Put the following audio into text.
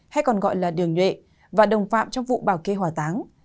hay còn gọi là đường nhuệ và đồng phạm trong vụ bảo kê hòa táng